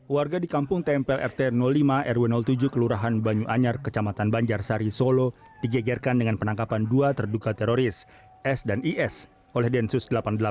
warga di kampung tempel rt lima rw tujuh kelurahan banyu anyar kecamatan banjar sari solo digegerkan dengan penangkapan dua terduga teroris s dan is oleh densus delapan puluh delapan